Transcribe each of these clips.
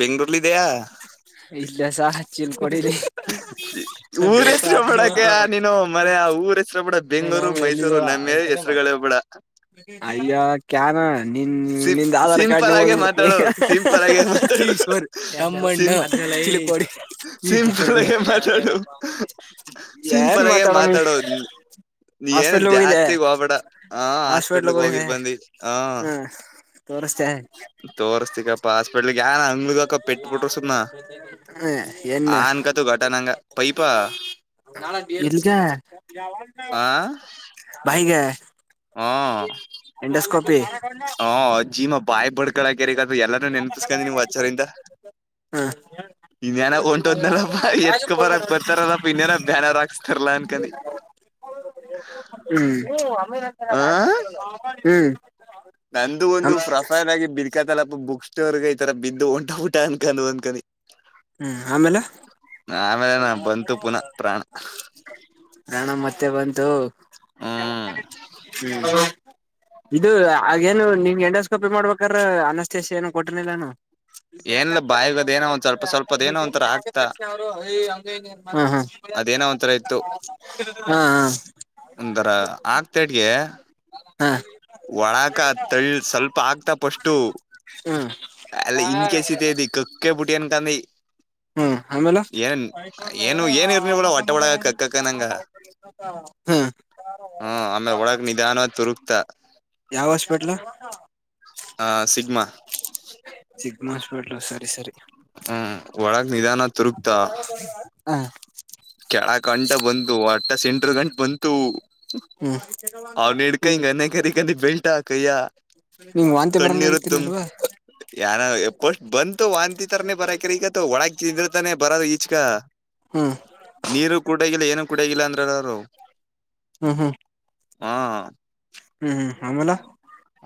ಬೆಂಗಳೂರು ಇದಿಯಾ ಚಾಚಾ ಚೀಪಸ ಕೊಡು ಇಲ್ಲಿ ಊರ ಹೆಸರು ಹೇಳ್ಬೇಡಕ್ಕೆ ನೀನು ಮರಯ ಊರ ಹೆಸರು ಬೇಡ ಬೆಂಗ್ಳೂರು ಮಾಮ ಮೈಸೂರು ಎಲ್ಲಿದ್ದೋ ನಮ್ಮ ಹೆಸರುಗಳೇ ಬೇಡ ಅಯ್ಯೋ ಜ್ಞಾನ ಸಿಂ ನಿನ್ನ ಆಧಾರ್ ಸಿಂಪಲ್ ಕಾರ್ಡು ಆಗೆ ಮಾತಾಡು ಸಿಂಪಲ್ ಆಗೆ ಮಾತಾಡು ಈಶ್ವರ್ ನಮ್ಮಣ್ಣ ಸಿಂಪಲ್ಲಾಗಿ ಮಾತಾಡು ನೀ ಏನು ಹಾಸ್ಪಿಟಲ್ ಹೋಗಿದ್ದೆ ಜಾಸ್ತಿಗ್ ಹೋಗ್ಬೇಡ ಹ ಹಾಸ್ಪಿಟಲ್ ಹಾಸ್ಪಿಟ್ಲ್ಗ್ ಹೋಗಿದ್ ಹೋಗಿದ್ದೆ ಬಂದಿ ಹ ತೋರಿಸಿಕೊಂಡು ಅಪ್ಪ ಹಾಸ್ಪಿಟಲ್ [unintelligible] ಆನ್ಕತು ಘಟನಂಗ ಪೈಪಾ ಎನ್ನ ಹೆಂಗೆ ನಾವು ಆ ಫೆ ಜೀವ ಬಾಯಲ್ಲಿ ಬಂದಿತ್ತು ಎಲ್ಲಾ ನೆನ್ಸ್ಕೊಂಡ್ತಾ ಇದ್ದೆ ಸತ್ತೋಗ್ಬಿಟ್ಟ ಅನ್ಕೊಂಡಿದ್ದೆ ನಾಳೆ ಬ್ಯಾನರ್ ಆತರ ಅನ್ಕೊಂಡಿದ್ದೆ [unintelligible] ಹು ನಂದು ಒಂದು ಪ್ರೊಫೈಲ್ ಅಲ್ಲಿ ಬುಕ್ಸ್ ಇದೆ ಬಿದ್ದು ಹೊಂಟೋದೆ ಅನ್ಕೊಂಡೆ ಹ್ಮ್ ಆಮೇಲೆ ಆಮೇಲೆ ಬಂತು ಜೀವ ಪ್ರಾಣ ಹಾ ಮತ್ತೆ ಬಂತು ಹ್ಮ್ [unintelligible] ಇದು ಹಾಗೆ [inaudible] ಅನಸ್ತೇಷ ಏನು ಕೊಟ್ಟಿರಲಿಲ್ಲ ಏನು ಇಲ್ಲ ಬಾಯಲ್ಲಿ ಅದು ಏನೋ ಒಂದು ಸ್ವಲ್ಪ ಸ್ವಲ್ಪ [unintelligible] ಅದೇನೋ ಒಂಥರ ಆಗ್ತಾ ಹಂಗೆ ಹಿಂಗೆ ಹ್ಮ್ ಹ್ಮ್ ಅದೇನೋ ಒಂಥರ ಹ್ಮ ಹಾ ಒಂದರ ಆಗ್ತಾಇದೆಹೆ ಹಾ ಹಾ ಒಳಾಕ ತಳ್ಳಿ ಸ್ವಲ್ಪ ಆಗ್ತಾ ಫಸ್ಟು ಹ್ಮ್ ಇನ್ ಕೇಸ್ ಕೇಸ್ ಇತೆ ಕಕ್ಕೆಬುಟ್ಟಿ ಅನ್ಕಂದಿ ಹ್ಮ್ ಆಮೇಲೆ ಏನ್ ಏನು ಏನ್ ಇರ್ನಿವಲ್ಲ ಹೊಟ್ಟೆ ಒಳಗ ಹ್ಮ ಕಕ್ಕಕನಂಗ ಹ್ಮ್ ಆಮೇಲೆ ಒಳಗ್ ನಿಧಾನ ತುರುಕ್ತಾ ಯಾವ ಹಾಸ್ಪಿಟಲ್ ಹ ಹಾ ಸಿಗ್ಮಾ ಸಿಗ್ಮ ಹಾಸ್ಪಿಟಲ್ ಸರಿ ಸರಿ ಹ್ಮ ಒಳಗ್ ನಿಧಾನ ತುರುಗ್ತಾ ಹಾ ಕೆಳ ಕಂಟ ಬಂದು ಅಟ್ಟ ಸಿಂಟ ಅರ ಗಂೆ ಬಂತು ಅವನಡ್ಕ ಹ್ಮ್ ಹಿಂಗನೆಗರಿ [unintelligible] ಕೈಯ ನಿಮ್ ವಾಂತಿ ಬರಂಗ ಕಣ್ಣಿರುತ್ತ ಆಗತಿನಲ್ವಾ ಯಏನ ಎಪ್ಪ ಬಂತು ವಾಂತಿ ತರನೇ ಬರಾಕ ಈಗ ಒಳಗ ತಿಂದ್ರತಾನೆ ಬರದು ಚಕಾ ಹಾ ನೀರು ಕುಡಗಿಲ್ಲ ಏನು ಕುಡಗಿಲ್ಲ ಅಂದ್ರರು ಹ್ಮ್ ಹ್ಮ್ ಹಾ ಹ್ಮ್ ಹ್ಮ್ ಆಮೇಲೆ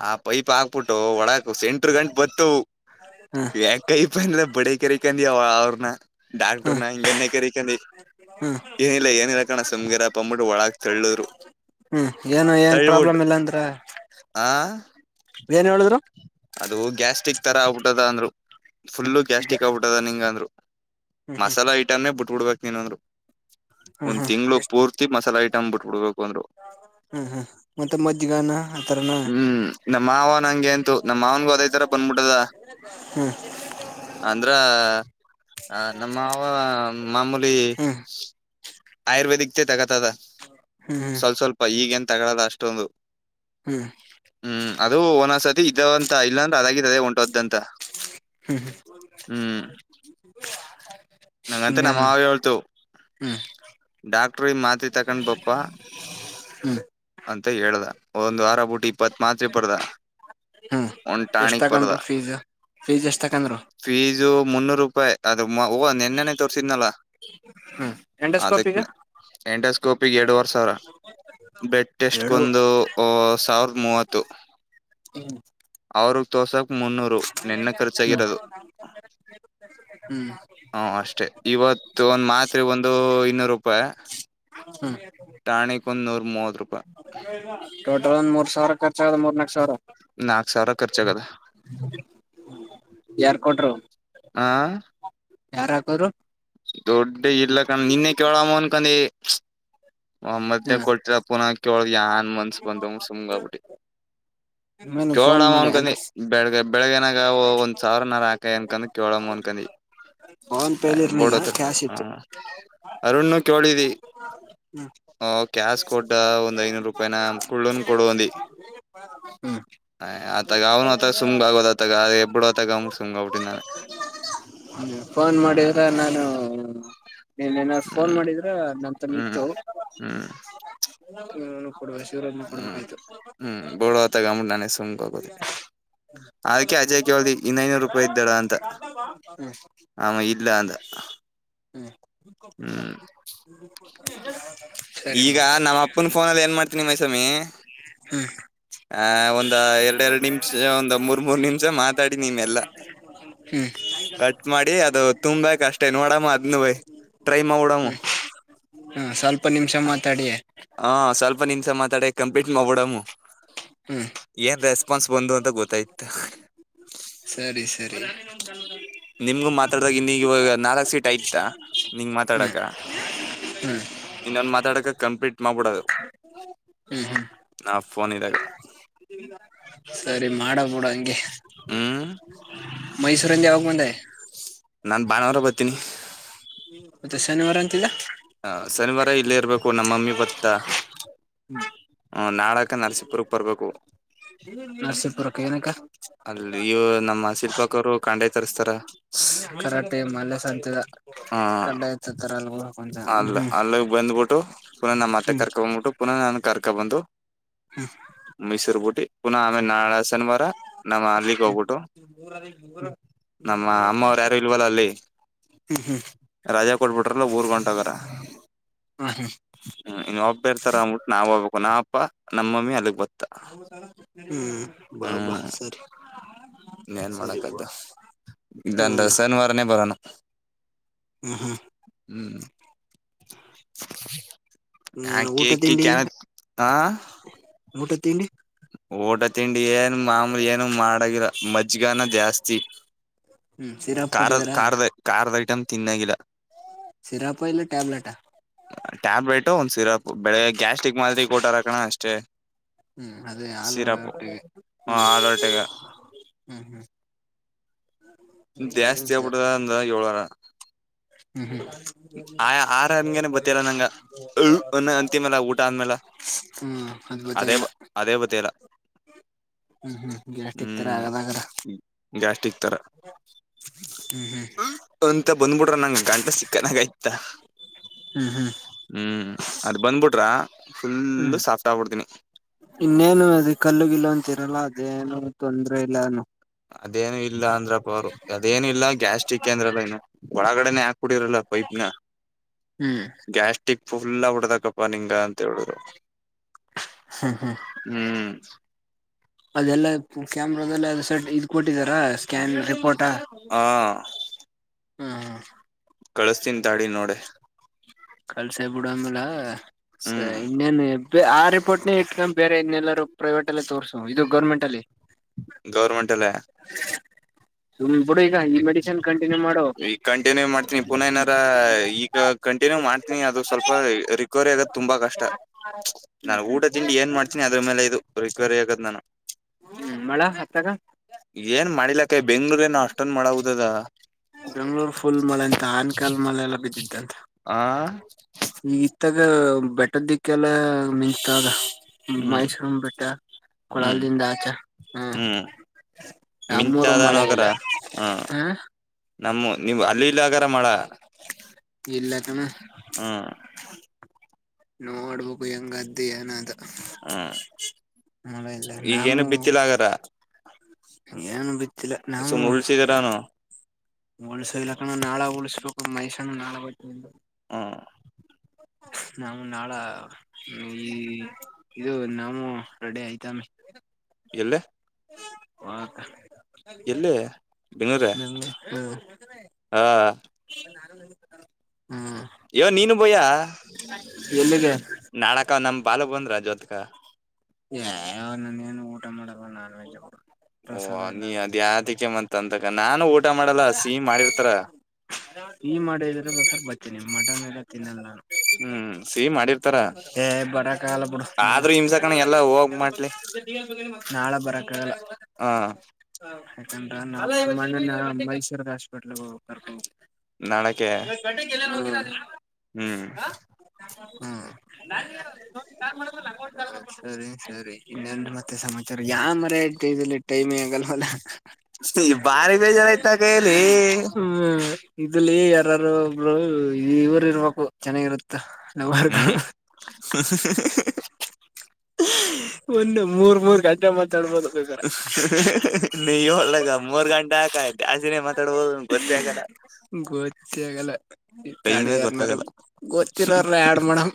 ಆ ಪೈಪ್ ಹಾಕ್ಬಿಟ್ಟು ಒಳಾಕ್ ಸೆಂಟ್ರ ಗಂಟಟ್ ಬತ ಹ್ಮ ಯ ಕೈಪ್ ಅಂದ್ರ ಬಡ ಕ್ರಕಾಂದಿಯ ಅವ್ರನ ಡಾಕ್ಟ್ರ ಹ್ಮ್ ನ ಹಂಗನ್ನೆ ಕರಿಕಂದಿ ಹ್ಮ್ ಏನಿಲ್ಲ ಏನಿರ ಕಣ ಸಮ್ಗರಪ್ಪ ಅಂದಬಿಟ್ಟು ಒಳಗ್ ತಳ್ಳೋರು ಹ್ಮ್ ಏನು ಏನ್ ತಳ್ಬಿಟ್ಟ ಪ್ರಾಬ್ಲಮ್ ಇಲ್ಲ ಅಂದ್ರ ಆ ಏನ್ ಹೇಳಿದ್ರು ಅದು ಗ್ಯಾಸ್ಟ್ರಿಕ್ ತರ ಆಗ್ಬಿಟ್ಟದ ಅಂದ್ರು ಫುಲ್ ಗ್ಯಾಸ್ಟಿಕ್ ಆಗ್ಬಿಟ್ಟದ ನಿಂಗಂದರು ಹ್ಮ್ ಹ್ಮ್ ಮಸಾಲಾ ಐಟಮೇ ಬಟ್ಟ ಕೊಡ್ಬೇಕಕ್ ನೀನಂದರು ಹ್ಮ್ ಒಂದ್ ಹ್ಮ್ ತಿಂಗಳು ಎಷ್ಟ ಪೂರ್ತಿ ಮಸಾಲೆ ಂಬ ಬಿುಬಡುಬೇಕ ಹ್ಮ್ ಹ್ಮ್ ಮತ್ತೆ ಮದ್ದಿಗನ ಹತಾರನ ನಮ್ ಮವುಂಗು ಅದ ತರ ಬಂಬಿಟ್ಟದ ಅಂದ್ರ ನಮ್ ಮಾವ ಮಾಮೂಲಿ ಹ್ಮ್ ಹೈರ್ವೇದಿಕ್ ದ ತಗೊಂಡು ತಗ ಹ್ಮ್ ಸ್ವಲ್ಪ್ ಸ್ವಲ್ಪ ಹೀಗೇನ್ ತಗಳೋದು ಅಷ್ಟೊಂದು ಹ್ಮ್ ಹ್ಮ್ ಅದು ಒಂನಸತಿ ಇದಾವ ಇಲ್ಲ ಅಂತ ಅದಾಗಿದ್ದಾದ ಹೊಂಟೊಗುತ್ತಿತ್ತ ಅಂತ ಹ್ಮ್ ಹ್ಮ್ ಹೂಂ [inaudible] ಅಂಗಂತ ನಮ್ ಇನ್ನೇನಮ್ಮ ಮಾವ ಹೇಳ್ತು ಹ್ಮ್ ಡಾಕ್ಟರ್ ಮಾತ್ರ ತಗೊಂಡ್ ಬಪ್ಪ ಹೂ ಇಪ್ಪತ್ತು ಮಾತ್ರೆ ಬರ್ದ ಹ್ಮ್ ಒಂದು ಎಷ್ಟ ಟಾನಿಕ್ ಬರ್ದ ತಕೊಂಡ್ರು ಫೀಸ್ ಫೀಸ್ ಎಷ್ಟ ತಕೊಂಡ್ರು ಫೀಸು ಮುನ್ನೂರ ರೂಪಾಯಿ ಯಮ್ಮ ಅವ್ವ ನೆನ್ನೆನೆ ತೋರಿಸಿದ್ನಲ್ಲ ಹ್ಮ್ ಎಂಡೋಸ್ಕೋಪಿಗ ಅದಕ್ಕ ಎಂಡೋಸ್ಕೋಪಿಗೆ ಎರಡುವರೆ ಸಾವಿರ ಬ್ಲಡ್ ಟೆಸ್ಟ್ಗ ಎರಡು ಒಂದು ಸಾವಿರದ ಮೂವತ್ತು ಹ್ಮ್ ಅವ್ರು ತೋರ್ಸಾಕ್ ಮುನ್ನೂರು ನೆನ್ನೆ ಹ್ಮ್ ಖರ್ಚಾಗಿರೋದು ಹ್ಮ್ ಹಾ ಅಷ್ಟೇ ಇವತ್ತು ಒಂದು ಮಾತ್ರೆಗೆ ಒಂದು ಇನ್ನೂರು ರೂಪಾಯಿ ಟಾನಿಕ್ ಒಂದು ನೂರಮುವತ್ತು ಟೊಟೊ ಒಂದು ಮೂರು ಸಾವಿರ ಖರ್ಚಾದು ಮೂರು ನಾಲ್ಕು ಸಾವಿರ ನಾಲ್ಕಸಾವಿರ ಖರ್ಚ ಯಾರ್ ಕೊಟ್ರು ಹ ಯಾರ ಹಾಕುದ್ರೂ ದುಡ್ಡು ಇಲ್ಲ ಕಣ್ ನಿನ್ನೆ ಕೇಳಮ ಅನ್ಕೊಂಡೀ ಮತ್ಯಾ ಕೇಳ್ತಾವ್ ಪುಣಕಿ ಕೇಳಿದ್ವಿ ಯಾರ್ ಮನ್ಸ ಸುಮ್ನಾಗ್ಬಿಟ್ವಿ ಹ್ಮ ಫೋನ್ ಕೇಳೋ ಮಾಡಿ ಅನ್ಕೊಂಡಿವಿ ಅಂದ್ರ ಬೆಳ್ ಬೆಳಗ್ಗೆನೇ ಒಂದು ಸಾವಿರ ಹಾಕಯ್ಯ ಕೇಳಂ ಅನ್ಕೊಂಡ್ವಿ ಫೋನ್ ಪೇಲಿ ಬಿಡು ಇರ್ನಿಲ್ಲ ಅಥಗ ಕ್ಯಾಶ್ ಇತ್ತು ಅರುಣ ಕೇಳಿದ್ವಿ ಹಾ ಕ್ಯಾಶ್ ಕೊಡ ಒಂದು ಐದುನೂರು ರೂಪಾಯಿನಾ ಕುಳ್ಳನ ಕೊಡಂದೀ ಹ್ಮ್ ಹಾ ಅಥಗ ಅವ್ನು ಅಥಗ ಸುಮ್ಗಾಗೋದಾ ಅಥಗ ಬಿಡು ಅಥಗ ಸುಮ್ನ ಆಗ್ಬಿಟ್ಟೆ ನಾನು ನೀನೇನ ಫೋನ್ ಮಾಡಿದ್ರಾ ನಮ್ ತಂಗಿ ಹ್ಮ್ ತಗೋ ಹ್ಮ್ [inaudible] ಹ್ಮ್ ಹ್ಮ್ ಹ್ಮ್ ಬಿಡು ಅತ್ತಾಗೆ ಅಂದ್ಬಿಟ್ಟು ನಾನೇ ಸುಮ್ಗಾಗೋದೆ ಅದಕ್ಕೆ ಅಜಯ್ಗ್ ಕ್ಯೊಳ್ದೆ ಇನ್ ಐನೂರುಪಾಯಿ ಇದ್ದದ ಅಂತ. ಅವ ಇಲ್ಲ ಅಂದ. ಹೂ ಹ್ಮ್ [unintelligible] ಈಗ ಅಂತ ನಮ್ಮ ಅಪ್ಪನ ಫೋನಲ್ಲಿ ಏನ್ ಮಾಡ್ತೀನಿ ಮೈಸಮಿ ಆಹ ಒಂದ ಎರಡೆ ಎರಡ್ ನಿಮಿಷ ಒಂದ್ ಮೂರ್ ಮೂರ್ ನಿಮಿಷ ಮಾತಾಡಿ ನೀಮ್ಮಲ್ಲ ಹ್ಮ್ ಕಟ್ ಮಾಡಿ ಅದು ತುಂಬಕ್ಷ್ಟೇ ನೋಡ ತಗೊಮ್ ಬಾ ಅದ್ನುವೇ ಟ್ರೈ ಮಾಡ್ ಬಿಡವು ಹ ಸ್ವಲ್ಪ ನಿಮಿಷ ಮಾತಾಡಿ ಹ ಸ್ವಲ್ಪ ನಿಮಿಷ ಮಾತಾಡಿ ಕಂಪ್ಲೀಟ್ ಮಾಡ್ಬಿಡಮ್ ಹ್ಮ್ ಏನ್ ರೆಸ್ಪಾನ್ಸ್ ಬಂದು ಅಂತ ಗೊತ್ತಾಯ್ತ ಸರಿ ಸರಿ ನಿಮ್ಗು ಮಾತಾಡಾಗ ಇನ್ನಗ ಇವಾಗ ನಾಲ್ಕ್ ಸೀಟ್ ಆಯ್ತಾ ನಿಂಗ ಹ್ಮ್ ಮಾತಾಡಕ ಹ್ಮ್ ಇನ್ನೊಂದು ಮಾತಾಡಕ ಕಂಪ್ಲೀಟ್ ಮಾಡ್ಬಿಡದು ಹ್ಮ್ ಹ್ಮ್ ಫೋನ ಇದಾಗ. ಸರಿ ಮಾಡಬುಡ ಗೆ ಹ್ಮ್ ಮೈಸೂರಂದ ಯಾವಾಗ ಬಂದ ನಾನ್ ಭಾನುವಾರ ಬರ್ತೀನಿ ್ಮ ಮತ್ತೆ ಶನಿವಾರ ಅಂತಿಲ್ಲ ಶನಿವಾರ ಇಲ್ಲೇ ಇರ್ಬೇಕು ನಮ್ಮ ಮಮ್ಮಿ ಬಂತ ಹ ಹ್ಮ ನಾಳಕ ನರಸಿಪುರಕ್ ಬರ್ಬೇಕು ನರಸೀಪುರಕ್ಕೆ ಏನಕ್ಕ ಅಲ್ಲಿ ಇವ್ ನಮ್ಮ ಶಿಲ್ಪಕರು ಕಂಡೆ ತರಿಸ್ತಾರ ಕರಾಟೆ ಮಾಲೆಸ ಅಂತದ ಹ ಕಡ್ಡಾಯತತರ ಅಲ್ವ ಅಲ್ಲ ಅಲ್ಲ ಬಂದ್ಬಿಟ್ಟು ಪುನಃ ನಮ್ಮ ಮತ್ತೆ ಹ್ಮ್ ಕರ್ಕ ಬಂದ್ಬಿಟ್ಟು ಪುನಃ ನಾನು ಕರ್ಕ ಬಂದು ಮೈಸೂರು ಗಟೆ ಪು ಆಮ ನಾಳ ಶನಿವಾರ ನಮ್ಮ ಅಲ್ಲಿಗೆ ಹೋಗ್ಬಿಟ್ಟು ನಮ್ಮ ಅಮ್ಮವರು ಯಾರು ಇಲ್ವಲ್ಲ ಅಲ್ಲಿ ರಾಜಾ ಕೊಟ್ಬಿಟ್ರಲ್ಲ ಊರ್ ಗಂಟ ಹ ಹ್ಮ್ ಇ ಒಬ್ಬಿ ಇರ್ತಾರ ಮುಟ್ ನವು ಪುನಪ್ಪಾ ನಮ್ಮಮ್ಮಿ ಅಲ್ಲಿಗ್ ಬತ್ತ ಹ್ಮ್ ಬಾ ಬಾ ಸರಿ ಇೇನ್ ಸರಿ ಬಾ ಮಾಡಕ್ದುನ್ ನಾನು ಶನಿವಾರನೇ ಬರೋಣ ಹ್ಮ್ ಹ್ಮ್ ಹ್ಮ್ ಹಾ ನಾನು ಊಟ ಕ ಕ ಹ ಮೂಊಟೆ ತಿಂಡಿ ಏನ್ ಮಾಮೂಲಿ ಏನು ಮಾಡಾಗಿಲ್ಲ ಮಜ್ಗಾನ ಜಾಸ್ತಿ ಹ್ಮ್ ಸಿರಾಪ್ ಕಾರ್ ಕೊಟ್ಟಿದಾರ ಕಾರ್ದ ಕಾರ್ದೈ ತಿನ್ನಗಿಲ್ಲ ಸಿರಾಪ್ ಇಲ್ಲ ಟ್ಯಾಬ್ಲೆಟ್ಾ ಟ್ಯಾಬ್ಲೆಟು ಒಂದು ಸಿರಪ್ ಬೆಳಗ್ಗೆ ಗ್ಯಾಸ್ಟ್ರಿಕ್ ಮಾತ್ರಿ ಕೊಟಾರಕಣ ಅಷ್ಟೇ ಹ್ಮ್ ಅದೇ ಹಲ ಸಿರಪ್ ಹಟ್ಟವಿ ಹ್ಮ್ ಹಾಲ್ ಹೊಟ್ಟೆಗೆ ಹ್ಮ್ ಹ್ಮ್ ಜಾಸ್ತಿ ಆಗ್ಬಿಡದ ಹ್ಮ್ ಅಂದ ಏಳರ ಹ್ಮ್ ಹ್ಮ್ ಆ ಆರ ಹನ್ಗೇನೆ ಬತ್ತಿಲ್ಲ ನಂಗ ಅನ್ನ ಅಂತಿಮಲ್ಲ ಊಟ ಆದ್ಮೇಲ ಹ್ಮ್ ಅದ್ ಅದೇ ಗೊತ್ತಾಗಿಲ್ಲ ಅದೇ ಬತ್ತಿಲ್ಲ ಹ್ಮ್ ಹ್ಮ್ ಗ್ಯಾಸ್ಟಿಕ್ ತರ ಹ್ಮ್ ಆಗದಾಗರ ಗ್ಯಾಸ್ಟಿಕ್ ತರ ಹ್ಮ್ ಬಂಡ್ಬುತ್ರ ಗಂಟಲು ಸಿಕಂಡಾಗೆ ಹ್ಮ್ ಹ್ಮ್ ಹ್ಮ್ ಹ್ಮ್ ಅದು ಬಂಡ್ಬುತ್ರ ಏನೇನು ಕಲ್ಲುಗಿಲ್ಲು ಅಂತಿದ್ರಲ್ಲ ಏನೋ ಅದೇನು ಇಲ್ಲ ಗ್ಯಾಸ್ಟ್ರಿಕ್ ಅದ್ರಲ್ಲ ಒಳಗಡೆನೆ ಹಕ್ಬಿಟ್ರಲ್ಲ ಪೈಪಿನ ಹ್ಮ್ ಫುಲ್ಅಗ್ಬುತಕಪನಿಂಗ ಅಂದ್ರು ಹ್ಮ್ ಹ್ಮ್ ಹೂಂ [unintelligible] ಅದೆಲ್ಲ ಕೊಟ್ಟಿದ್ದಾರೆ ಸ್ಕ್ಯಾನ್ ರಿಪೋರ್ಟ್ ಟ ಹ ಆ ಕಳಿಸ್ತೀನಿ ತಡಿ ನೋಡೇ ಕಲ್ಸಾಯಿ ಬುಡು ಅಂದ್ಮೇಲೆ ಹ್ಮ್ ಇನ್ನೇನು ಏರಿಪೋರ್ಟನೇ ಇಟ್ಟಕಂಡು ಬೇರೆಯಲ್ಲರ ಪ್ರೈವೇಟ್ ಅಲ್ಲಿ ಇದು ಗೋರ್ಮೆಂಟ್ನಲ್ಲಿ ಗೋವರ್ಮೆಂಟ್ ಅಲ್ಯ ಸುಮ್ ಬಿಡು ಈಗ ಈ ಮೆಡಿಸಿನ್ ಕಂಟಿನ್ಯೂ ಮಾಡು ಈಗ ಕಂಟಿನ್ಯೂ ಮಾಡ್ತೀನಿ ಪುನಃ ಎನ್ನರ ಈಗ ಕಂಟಿನ್ಯೂ ಮಾಡ್ತಿನಿ ರಿಕವರಿ ಆಗದು ತುಂಬಾ ಕಷ್ಟ ಹ್ಮ್ ನನ್ ಹ್ಮ್ ಊಟ ತಿಂಡಿ ಏನ್ ಮಾಡ್ತಿನಿ ಅದ್ರಮೇಲೆ ಇದು ರಿಕವರಿ ಆಗದು ನಾನು ಹ್ಮ್ ಮಳೆ ಅತ್ತಾಗ ಏನು ಮಾಡಿಲ್ಲ ಕಾಯ ಬೆಂಗಳೂರೇನು ಮಾಳ ಉದಾದ್ದ ಬೆಂಗಳೂರು ಫುಲ್ ಮಳೆ ಅಂತ ಆನೇಕಲ್ ಮಳೆ ಯಲ್ಲಾ ಬಿದಿದ್ದಂತ ಆ ಇತ್ತಗ ಬೆಟ್ಟದ ದಿನಕೆಲ್ಲ ಮಿಂಚುತದ ಹ್ಮ್ ಮಾದೇಶ್ವರ್ನ್ ಬೆಟ್ಟ ಹ್ಮ್ ಕೊಳ್ಳೇಗಾಲ್ದಿಂದ ಆಚಾ ಹ್ಮ್ ಆ ನಮ್ ಊರಿಗ್ ಮಳೆನೇ ಮಿಂಚಾದನೋಗರ ಇಲ್ಲ ಹಾ ನಮ್ ಹ್ಮ್ ಅಲ್ಲೂ ಇಲ್ಲ ಅನು ಮಳೆ ಅಗರ ಇಲ್ಲಕಣ್ಣಾ ಹ್ಮ್ಮ್ ನೋಡ್ಬೇಕು ಹೆಂಗದ್ದು ಏನ ಅಂತ ಹಮ್ಮ್ ಇಲ್ಲ ಈಗ ಏನುಬಿತ್ತಿಲ ಅಂಗಂದ್ರ ಏನೂ ಬಿ ಇಲ್ಲ ನಮೂ ಉಳ್ಸಿದರಾನು ಉಳುಸು ಇಲ್ಲಕಣ ನಾಳ ಉಳುಸುಬೇಕು ಮಹೇಶಣ್ಣ ನಾಳಬತ್ತೀನಿ ಅಂತೂ ಹ್ಮ್ ನಾಮೂ ನಾಳ ಈ ಇದು ರೆಡಿ ಆಯೇತಮಿ ಯಾಲ್ಯ ಬೆಂಗ್ಳೂರ [unintelligible] ಹ [unintelligible] ಹ್ಮ್ ಏ ನೀನು ಬಾಯ [unintelligible] ನಾಳೆಕಾ ನಾಮ್ ಪಾಳು ಬಂದ್ರ ಜೊತ್ಗ ಯೇ ನೀನ್ ಊಟ ಮಾಡಪ್ಪ ನಾನ್ ವೆಜ್. ಓ ಪ್ರಸಾದ ಎಲ್ಲ ನೀ ಅದ್ಯಾತುಕ್ಕೆ ಮತ್ತಂತ ಕನ್ ನಾನು ಊಟ ಮಾಡಲ್ಲ ಸಿಹಿ ಮಾಡಿರ್ತರ. ಸಿಹಿ ಮಾಡಿದ್ರೆ ಬರ್ತಿನಿ ಮಟನ್ ಎಲ್ಲಾ ತಿನ್ನಲ್ಲ ನಾನು, ಹ್ಮ್ ಸಿಹಿ ಮಾಡಿರ್ತಾರ ಏ ಬರಕಾಗಲ್ಲ ಬಿಡು ನಾಳೆ. ಆದ್ರೂ ಹಿಂಸಕಣ ಎಲ್ಲಾ ಹೋಗ್ ಮಾಡ್ಲಿ ಹ ಅಲ್ಲ ಇವತ್ತು, ಮೈಸೂರಿಗ್ ಹಾಸ್ಪೆಟ್ಲಿಗೆ ಹೋಗ್ಬೇಕು ಕರ್ಕೊಂಡ್ ಹೋಗ್ಬೇಕು. ನಾಳಕ್ಕೆ [unintelligible] [inaudible] ಹ್ಮ್ ಆ ಹೂಂ ಸರ್ ಸರಿ ಸರಿ ಇನ್ನೇನ್ರಿ ಮತ್ತೆ ಸಮಾಚಾರ, ಯಾವ್ದ್ ಮರಯಾ ಇದು ಟೈಮಲಿ ಟೈಮೇ ಆಗಲ್ಲಲ. ಬಾರಿ ಬೇಜಾರ್ ಆಯ್ತದೆ ಇಲ್ಲಿ. ಇದ್ರಲ್ಲಿ ಯಾರಾದ್ರು ಒಬ್ರು ಇವ್ರ್ ಇರ್ಬೇಕು ಚೆನ್ನಾಗಿರುತ್ತೆ. [inaudible] ಹ್ಮ್ ಒಂದು ಮೂರ್ ಮೂರ್ ಗಂಟ್ ನೀ ಒಳ್ಳೆಗಾ ಮೂರ್ ಗಂ ಟೆ ಯಾಕಾ ಜಾಸ್ತಿನೇ ಮಾತಾಡ್ಬೋದು ಗೊತ್ತೇ ಆಗಲ್ಲ. ತ್ತೇ ಆಗಲ್ಲ. ತಡಿ ಟೈಮೇ ಯಾರ್ನಾದ್ರು ಗೊತ್ತಾಗಲ್ಲ ಗೊತ್ತಿರೋರ್ನ ಆಡ್ ಮಾಡಮ.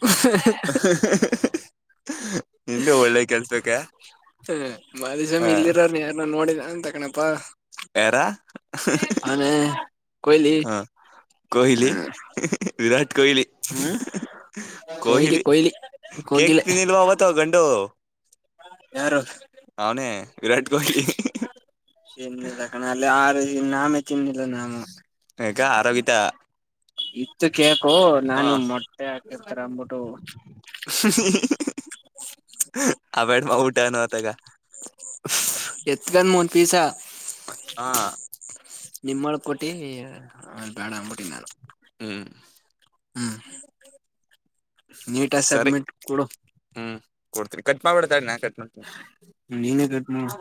ಇಂದೆ ಒಳ್ಳೇ ಕೆಲ್ಸಕ್ಕೆ ಹ ಮಾಧುಸ್ವಾಮಿ ಇಲ್ಲಿರಾರ ಯಾರ ನೋಡಿದ ಎಂತ ಕಣಪ್ಪಾ ಯಾರ ಅಲ್ಲಲೇ ಕೊಯ್ಲಿ ಕೋಯ್ಲಿ [inaudible] ಕೋಯ್ಲಿ ಕೊಹ್ಲಿ ಕೋಹ್ಲಿ ಕೊಹ್ಲಿ ಕೇಕ್ ಕೋಗಿಲೆ ತಿಂದಿದ್ವೋ ಅವತ್ತು [unintelligible] ಯಾರು ಅವನೇ ವಿರಾಟ್ ಕೊಹ್ಲಿ ಏನಿಲ್ಲ ಕಣೋ ಅಲ್ಲಿ ಯಾರ್ ಇನ್ನಮೇ ತಿಂದಿಲ್ಲ ನಾನು ಯಾಕ ಆರೋಗಿತ ಇತ್ತಗ್. ಕೇಕು ಹಾ ನಾನು ಮೊಟ್ಟೆ ಹಾಕಿರ್ತಾರ ಅಂದ್ಬಿಟ್ಟು ಆಬೇಡ್ ಔಟ್ ಅನಾ ಆತಗಾ ಎತ್ಗನ್ ಮೂನ್ ಪೀಸಾ ಹಾ ನಿಮೊಳ ಕೊಟ್ಟಿ ಬೇಡ ಅಂಬಿಟ್ಟಿನ್ ನಾನು ಹ್ಮ್ ಹ್ಮ್ ನೀಟ್ ಆ ಸಭ್ಮಿಟ್ ಕೊಡು ಕೊಡ್ತೀರಿ ಕಟ್ ಮಾಡ್ಬಿಡ್ತಾನ್ ನೀನೇ ಕಟ್ಟ ಮಾಡ್.